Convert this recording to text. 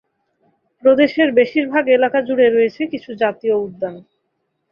প্রদেশের বেশির ভাগ এলাকা জুড়ে রয়েছে কিছু জাতীয় উদ্যান।